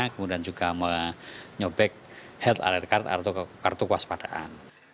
kemudian juga menyobek health alert card atau kartu kewaspadaan